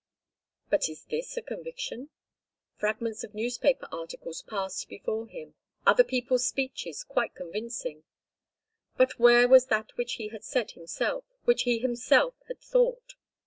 But is this a conviction? Fragments of newspaper articles passed before him, other people's speeches, quite convincing—but where was that which he had said himself, which he himself had thought?